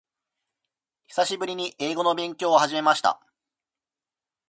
久しぶりに英語の勉強を始めました。